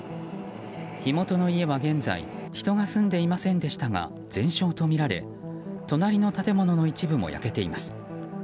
火元の家は現在、人が住んでいませんでしたが全焼とみられ隣の建物の一部も焼けています。